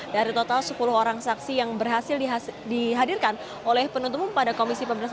dari total sepuluh orang saksi yang berhasil dihadirkan oleh penutup pada komisi pemerintah